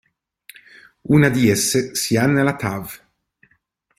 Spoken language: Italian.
Una di esse si ha nella tav.